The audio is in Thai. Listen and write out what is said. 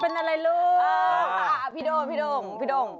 เป็นอะไรลูกพี่โด่ง